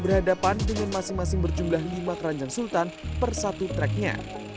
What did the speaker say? berhadapan dengan masing masing berjumlah lima keranjang sultan per satu tracknya